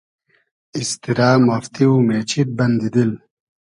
ایستیرۂ , مافتی و مېچید بئندی دیل